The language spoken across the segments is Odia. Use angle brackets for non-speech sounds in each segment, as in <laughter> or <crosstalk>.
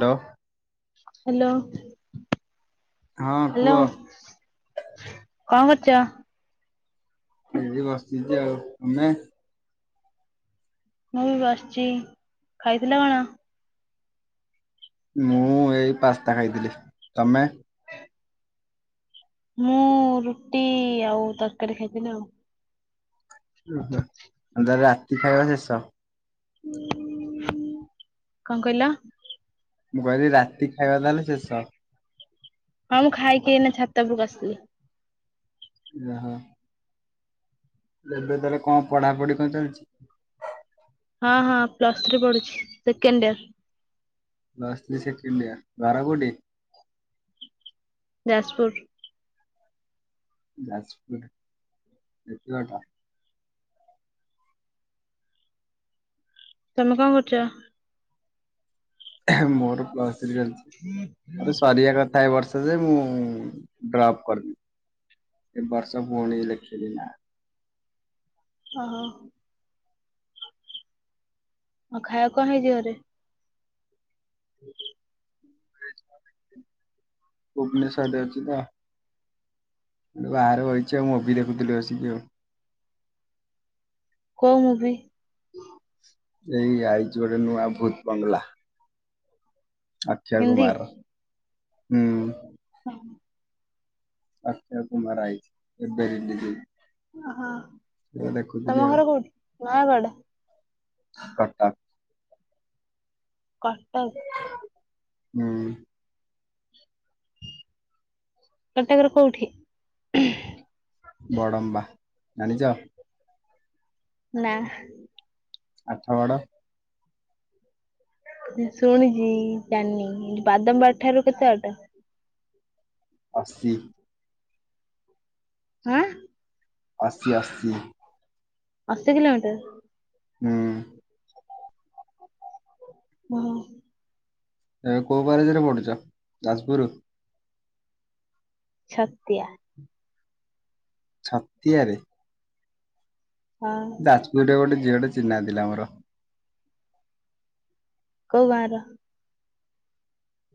ହ୍ୟାଲୋ। ହ୍ୟାଲୋ ହଁ ହ୍ୟାଲୋ। କୁହ କଣ କରୁଚ। ଏଠି ବସିଛି ଆଉ ତମେ। ମୁଁ ବି ଆସିଚି ଖାଇଥିଲ କଣ। ମୁଁ ଏଇ ପାସ୍ତା ଖାଇଥିଲି ତମେ। ମୁଁ ରୁଟି ଆଉ ତରକାରୀ ଖାଇଥିଲି ଆଉ। ତାର ରାତି ଖାଇବା ଶେଷ। କଣ କଇଲ। ମୁଁ କହିଲି ରାତି ଖାଇବା ତାହେଲେ ଶେଷ। ହଁ ମୁଁ ଖାଇକି ଏନା ଛାତ ଉପରକୁ ଆସିଲି। ଓହୋ। ଏବେ ତା ଲେ କଣ ପଢାପଢି କଣ ଚାଲିଚି। ହଁ ହଁ ପ୍ଲସ୍ ଥ୍ରୀ ପଢୁଛି second year. Plus three second year ଘର କୋଉଟି। ଯାଜପୁର୍। ଯାଜପୁର ଏଟା କଣ୍। ତମେ କଣ କରୁଚ। ମୋର ପ୍ଲସ୍ ଥ୍ରୀ ଚାଲିଚି ମୋର ସାରିବା ର ଥାଏ ବର୍ଷେ ଯେ ମୁଁ ଡ୍ରପ୍ କରିଦିଏ। ଏ ବର୍ଷ ପୁଣି ଲେଖିବି ନା। ହ ହ। ହଁ ଖାଇବା କୁ କଣ ହେଇଚି ଘରେ। <inaudible> ଭୁବନେଶ୍ବର ରେ ଅଛି ତ। ବାହାରେ ବଇଚି ଆଉ ମୁଭି ଦେଖୁଥିଲି ଆସିକି ଆଉ। କୋଉ ମୁଭି। ଏଇ ଆଇଚି ଗୋଟେ ନୂଆ ଭୂତ୍ ବଙ୍ଗଲା। ଆକ୍ଷାୟ ହିନ୍ଦୀ? କୁମାର ହୁଁ। <inaudible> ଅକ୍ଷୟ କୁମାର ଆଇଚି ଏବେ ରିଲିଜ୍ ହେଇଚି। ଓହୋ ତମ ଆଉ ଘର କୋଉଠି ନୟାଗଡ଼। କଟକ। କଟକ। ହୁଁ। କଟକର କୋଉଠି। ବଡ଼ମ୍ବା ଜାଣିଚ। ନା। ଆଠଗଡ଼। ଶୁଣିଚି ଜାଣିନି ବାଦାମ୍ବ ବାଡି ଠାରୁ କେତେ ବାଟ। ଅସି। ଆଁ। ଅସି ଅସି। ଅଶୀ କିଲୋମିଟର। ହୁଁ। <inaudible> ହଁ। ଏ କୋଉ ପାରେଜ ରେ ପଡୁଛ ଯାଜପୁରୁୁ। ଛତିଆ। ଛାତିଆରେ। ହଁ ଯାଜପୁର ରେ ଗୋଟେ ଝିଅ ଟେ ଚିହ୍ନା ଥିଲା ମୋର। କୋଉ ଗାଁର?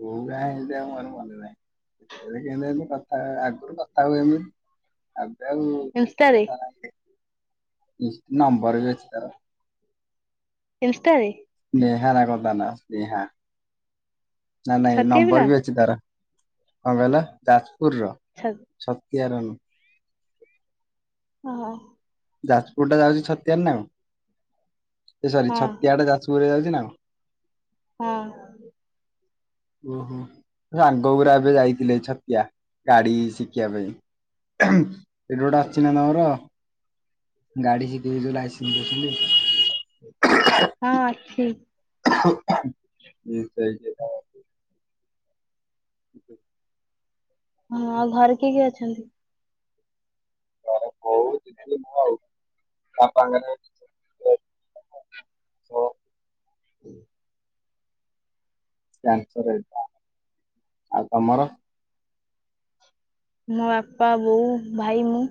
କୋଉ ଗାଁ ଏ ମିତି ଆଉ ମୋର ମନେ ନାହିଁ, ଏବେ କେମିତି ଏମ କଥା ଆଗରୁ କଥା ହଉ ଏମିତି। ଆବେ ଆଉ ଇନଷ୍ଟାରେ <unintelligible> ନମ୍ବର ବି ଅଛି ତାର। ଇସଷ୍ଟାରେ। ନେହାରା ଗଦାନା ସ୍ନେହ୍ନା ନା ନାଇଁ ଛତିଆ ପିଲା ନମ୍ବର ବି ଅଛି ତାର। କଣ କହିଲ ଯାଜପୁରୁ ର ଛ ଛତିଆରନୁହୁଁ। ହଁ ହଁ। ଯାଜପୁର ଟା ଯାଉଛି ଛତିଆରେ ନା ଆଉ, ଏ ସରି ହଁ ଛତିଆ ଟା ଯାଜପୁରରେ ଯାଉଛି ନା ଆଉ। ହଁ। ଓହୋ ସାଙ୍ଗ ଗୁରା ଏବେ ଯାଇଥିଲେ ଛତିଆ, ଗାଡି ଶିଖିବା ପାଇଁ। ଏଠି ଗୋଟେ ଆସିଛି ନା ନମର। ଗାଡି ଶିଖିବି ଯୋଉ ଲାଇସେନ୍ସ ଦେଇଥିଲି। ହଁ ଅଛି। ସେଇ <unintelligible> <inaudible> ହଁ ଆଉ ଘରେ କିଏ କିଏ ଅଛନ୍ତି? ଘରେ ବୋଉ, ଜିତୁ, ମୁଁ ଆଉ ବାପାଙ୍କରେ ଅଛି। ହୁଁ <unintelligible> ତାଙ୍କର ଏଇଟା ଆଉ ତମର? ମୋ ବାପା ବୋଉ ଭାଇ ମୁଁ।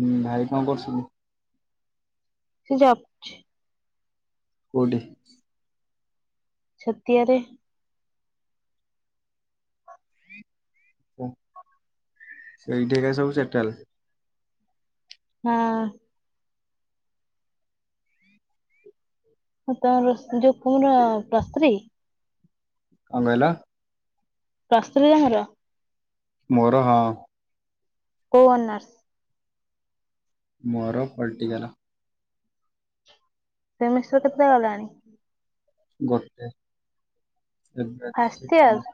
ହୁଁ ଭାଇ କଣ କରୁଛନ୍ତି? ଯପ୍ କୋଉଠି? ଛତିଆରେ। ହୁଁ ସେଇଠି ଏକା ସବୁ ସେଟାଲ। ହଁ। ଆଉ କଁ ରୋଷେ ହଯୋଉ କୁଓଁର ପ୍ର ସ୍୍ରୀ ଆଉ ମେଲା। ପ୍ରସ୍ତୁରି ତମର? ମୋର ହଁ। କଉଅନାର। ମୋର ପଲଟିକାଲ। ସେ ମିଶ୍ଚର ତ ପୁରା ଗଲାଣି। ଗୋଟେ ଏବେ ଫାଷ୍ଟ ଆସିଛି କାଲି। ଇୟର?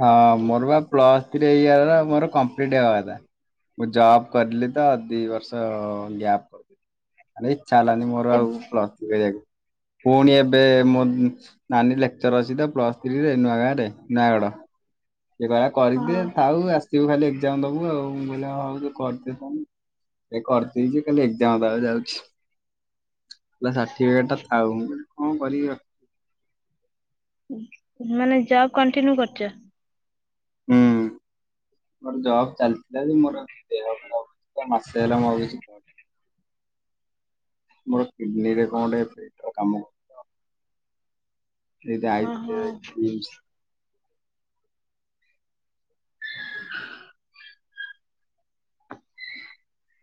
ହଁ ମୋର ବା ପ୍ଲସ ଥ୍ରୀ ହେଇଯାଇଥାନ୍ତା, ମୋର କମ୍ପ୍ଲିଟ ହେବା କଥା। ମୁଁ ଜବ୍ କରିଲି ତ ଦି ବର୍ଷ ଗ୍ୟାପ। ଆରେ ଇଛା ହେଲାନି ମୋର ଏ ଆଉ ପ୍ଲସ୍ ଥ୍ରୀ କରିବାକୁ। ପୁଣି ଏବେ ମୋ ନାନୀ ଲେକ୍ଚର ଅଛି ତ ପ୍ଲସ୍ ଥ୍ରୀରେ ନୂଆାଁଗାଁରେ ନୟାଗଡ। ସେଏ କହିଲା କରିଦେ ହଁ ଥାଉ ଆସିବୁ ଖାଲି ଏକ୍ଜାମ ଦବୁ ଆଉ, ମୁଁ କହିଲି ହଉ ତୁ କରିଦେ ପମ୍। ଏ କରିଦେଇଛି ଖାଲି ଏଜାମ ଦବାକୁ ଯାଉଛି। ନା ସାର୍ଟିଫିକେଟ ଟା ପାଉନି କଣ କରିବି ଆଉ। ଉ ମାନେ ଜବ କଣ୍ଟିନ୍ୟୁ କରୁଛ? ହୁଁ ମୋର ଜବ୍ ଚାଲିଥିଲା ଯେ ମୋର ଦେହ ଖରାପ ତ ମାସେ ହେଲା ମୁଁ ଆଉ କିଛି କରୁନି। <inaudible> ମୋର କିଡନୀରେ କଣ ଗୋଟାଏ ପେଟ କାମୁଡିଛି ତ। <inaudible> ସେ ଓହୋ ଯାଇଥିଲେ କିମ୍ସି।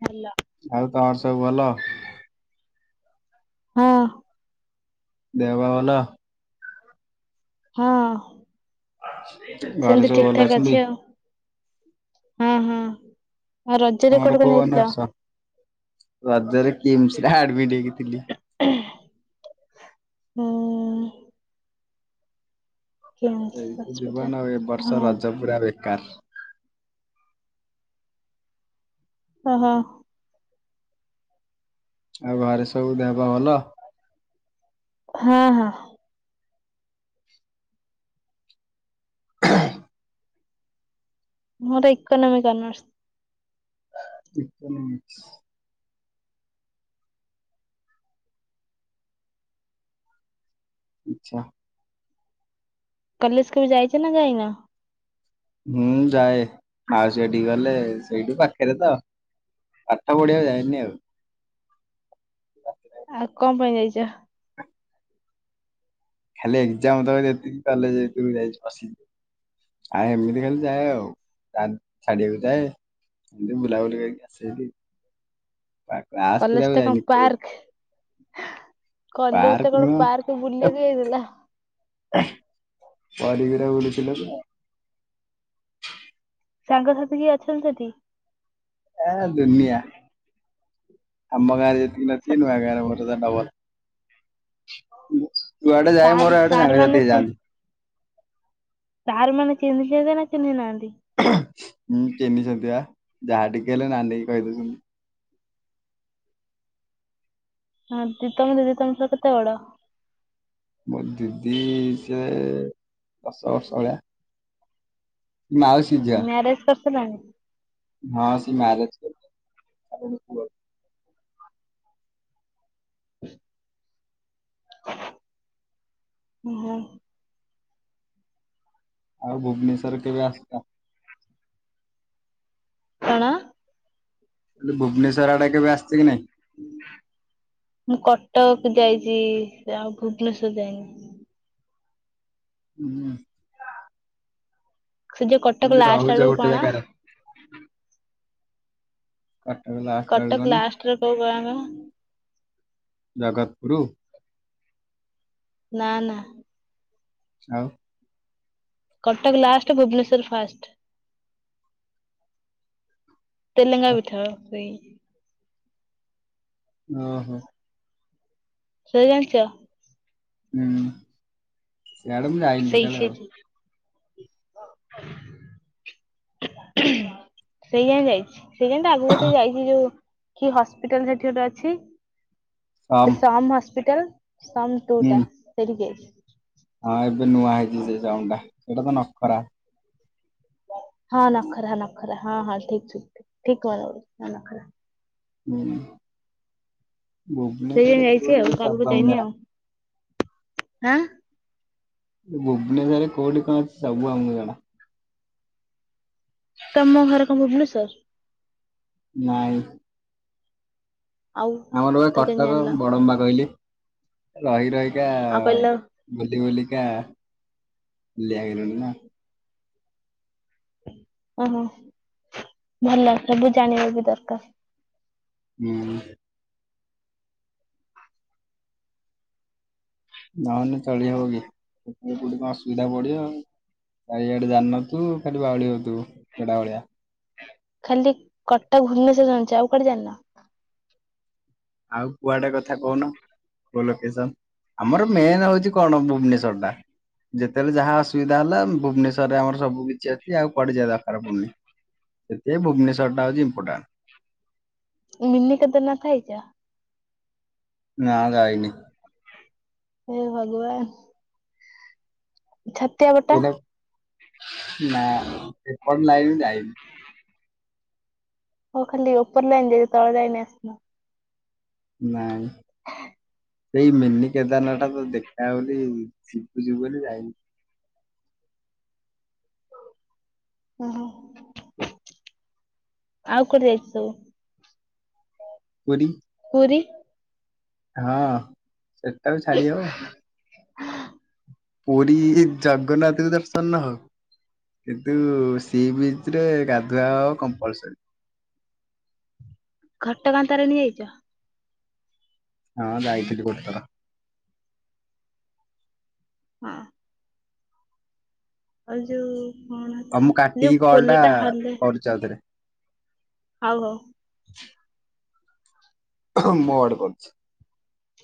ହ୍ଯାଲୋ ଆଉ ତମର ସବୁ ଭଲ? ହଁ ଦେହପା ଭଲ? ହଁ ଘରେ ସେମିତି ସବୁ ଠିକ ଭଲ ଠାକ୍ ଅଛନ୍ତି? ଅଛି ଆଉ। ହଁ ହଁ ଆଉ ରଜରେ ତମର କୁଆଡେ ତମେ କୋଉ ଯାଇଥିଲ? ଅନର୍ସ? ରଜରେ କିମ୍ସି ରେ ଆଡମିଟ ହେଇକି ଥିଲି। ହୁଁ କିମ୍ସ ଏଇ ଏ ହସ୍ପିଟାଲ ଜୀବନ ଏ ବର୍ଷ ହଁ ରଜ ପୁରା ବେକାର। ଅ ହଁ ଆଉ ଘରେ ସବୁ ଦେହପା ଭଲ? ହଁ ହଁ ମୋର ଏକନମ୍ବର ଜନ୍ମ। ଚୀର୍ତ୍ତନ ହେଇଛି। ଇଛା କଲେଜ କେବେ ଯାଇଛ ନା ଯାଇ ନ? ମୁଁ ଯାଏ ମାଉସୀ ଘଟିକି ଗଲେ ସେଇଠୁ ପାଖରେ ତ। ପାଠ ପଢିବାକୁ ଯାଏନି ଆଉ। ସ <inaudible> ଆଉ କଣ ପାଇଁ ଯାଇଛ? ଖାଲି ଏକ୍ଜାମ ଦବାକୁ ଯାଇଥିଲି କଲେଜ ଭିତରକୁ ଯାଇଛି ବସିବି। ଆ ଏମିତି ଖାଲି ଯାଏ ଆଉ କାନ ଛାଡିବାକୁ ଯାଏ। ଏମିତି ବୁଲା ବୁଲି କରିକି ଆସେ ହେରି ପାଟ କଲେଜଟା କଣ ପାର୍କ? ପାର୍କ କଲେଜଟା କଣ ନୁହଁ ପାର୍କ ବୁଲିବାକୁ ଯାଇଥିଲ। ପଢ଼ିକିରେ ବୁଲୁଥିଲେ ତ ସାଙ୍ଗ ସାଥି କିଏ ଅଛନ୍ତି ସେଠି। ଏ ଦୁନିଆ ଆମ ଗାଁରେ ଯେତିକି ନ ଥିବେ ନୂଆ ଗାଁରେ ମୋର ଦୁର୍ଗା ପାଓାର ଯୁଆଡେ ଯାଏ ସାର୍ ମୋର ହାଡେ ସାର୍ ମାନେ ସାଙ୍ଗସାଥି ହେଇ ଯାଆନ୍ତି। ସାରମାନେ ଚିହ୍ନିଛନ୍ତି ନା ଚିହ୍ନିନାହାନ୍ତି? ହୁଁ ଚହ୍ନିଛନ୍ତି ବା। ଯାହା ଟିକେ ହେଲେ ନାନି କି କହିଦେଉଛନ୍ତି। ହଁ ଦିଦ ତମ ଦିଦି ତମଠାରୁ କେତେ ବଡ? ମୋ ଦିଦି ସେ ଦଶ ବର୍ଷ ଭଳିଆ। ମାଉସୀ ହୁଁ ଝିଅ ମ୍ୟାରେଜ କରିସାରିଲାଣି। ହଁ ସେ ମ୍ୟାରେଜ କରିସାରିଲାଣି ତାର ଗୋଟେ ଝିଅ ଅଛି। <inaudible> ଓହୋ ଆଉ ଭୁବନେଶ୍ଵର କେବେ ଆସଚ? କଣ? ହେଲେ ଭୁବନେଶ୍ୱର ଆଡ଼େ କେବେ ଆସିଚ କି ନାଇଁ? ମୁଁ କଟକ ଯାଇଚି ଆଉ ଭୁବନେଶ୍ବର ଯାଇନି। ହୁଁ ହୁଁ ସେ ଯୋଉ କଟକ ଏମିତି ଲାଷ୍ଟ ରହୁଛ ଆଡକୁ ଗୋଟେ କଣ? ଜାଗାରେ କଟକ ଲାଷ୍ଟ ଆଡ଼ୁକୁ କଟକ ମାନେ ଲାଷ୍ଟରେ କୋଉ ଗାଁ ବା ଜଗତପୁରୁ? ନା ନା। ଆଉ କଟକ ଲାଷ୍ଟ ଭୁବନେଶ୍ୱର ଫାଷ୍ଟ। ତେଲେଙ୍ଗା ପିଠ ସେଇଁ। ଓହୋ। ସେ ଜାଣିଚ? ହୁଁ। ସିଆଡ଼େ ମୁଁ ଯାଇନି। ସେଇ କେତେବେଳେ ଆଉ। ସେଇଠି। ସେଇ ଯାଏଁ ଯାଇଚି। ସେଇ ଯାଏଁ ତା ଆଗକୁ ଟିକେ ଯାଇଚି ଯୋଉ କି ହସ୍ପିଟାଲ ସେଠି ଗୋଟେ ଅଛି। ସମ୍ ହାସ୍ପିଟାଲ ସମ୍ ହୁଁ ଟୁଟା ସେଇଠିକି ଯାଇଚି। ହଁ ଏବେ ନୂଆ ହେଇଚି ସେ ସମ୍ ଟା ସେଇଟା ତ ନଖରା। ହଁ ନଖରା ନଖରା ହଁ ହଁ ଠିକ୍ ଠିକ୍ ଠିକ୍ କହିଲ ନଖରା। ହୁଁ ସେଇ ଯାଏଁ ଭୁବନେଶ୍ୱରରେ ଯାଇଛି କୋଉଦି ଆଉ କଣ ତା ଆଗକୁ ସବୁ ଆମକୁ ଯାଇନି ଜଣା। ଆଉ। ଆଁ? ଭୁବନେଶ୍ବରରେ କୋଉଠି କଣ ଅଛି ସବୁ ଆମକୁ ଜଣା। ତମ ଘର କଣ ଭୁବନେଶ୍ୱର? ନାଇଁ। ଆଉ ଆମର ବା ତ କେମିତି କଟକ ଜାଣିଲ ବଡମ୍ବା କହିଲି ରହି ରହିକା ଆଁ କହିଲ ବୁଲି ବୁଲିକା ହଲିିଆ ହେଇଗଲୁଣି ନା? ଓହୋ ଭଲ ସବୁ ଜାଣିବା ବି ଦରକାର। ହୁଁ। ନହନେ ଚଳି ହବ କି କେତବଳେ କୋଉଠି କଣ ଅସୁବିଧା ଯାହା ପଡ଼ିବ ଆ ଇଆଡ଼େ ଜାଣିନଥିବୁ ଖାଲି ବାଉଳି ହଉଥୁବୁ ବେଡ଼ା ଭଳିଆ। ଖାଲି କଟକ ଭୁବନେଶ୍ୱର ଜାଣିଚ ଆଉ କୁଆଡ଼େ ଜାଣିନ? ଆଉ କୁଆଡ଼େ କଥା କହୁନ? କୋଉ ଲୋକେସନ ଆମର ମେନ ହଉଚି କଣ ଭୁବନେଶ୍ୱର ଟା। ଯେତେବେଳେ ଯାହା ଅସୁବିଧା ହେଲା ଭୁବନେଶ୍ୱରରେ ଆମର ସବୁ କିଛି ଅଛି ଆଉ କୁଆଡ଼େ ଯିବା ଦରକାର ପଡୁନି। ସେଥିପାଇଁ ଭୁବନେଶ୍ୱର ଟା ହଉଚି ଇମ୍ପୋଟାଣ୍ଟ। ମିନିକେତନ ଥାଇଚ? ନାଁ ଯାଇନି। ହେ ଭଗବାନ। ଛତିଆ ବଟ୍ କୋଉଟା ନା ସେପର୍ ଲାଇନ୍ ଯାଇନି। ହ ଖାଲି ଓପର ଲାଇନ୍ ଯାଇଚ ତଳ ଯାଇନରେ ଆସିନ। ନାଇଁ। ସେଇ ମିନି କେଦାରନାଥ ଟା ତ ଦେଖା ହଉନି ଯିବୁ ଯିବୁ ବୋଲି ଯାଇନୁ। ଓହୋ। ଆଉ କୋଠି ଯାଇଛି। ପୁରୀ। ପୁରୀ। ହଁ ସେଟାକୁ ଛାଡି ହବ। ହୁଁ। ପୁରୀ ଜଗନ୍ନାଥଙ୍କୁ ଦର୍ଶନ। କିନ୍ତୁ ସିବିଚିରେ ଗାଧୁଆ କମ୍ପଲସରି। ଘଟଗାଁ ତାରିଣି ଯାଇଛ। ହଁ ଯାଇଥିଲୁ ଗୋଟିପାଳ। ହଁ। ଆଉ ଯୋଉ କଣ ତା ଯୋଉ ପୋଲ ଟା ହଲେ। ଚାଲଦେଖେ। ହଉ, ହଉ। ମୋଡ଼ କରୁଛି।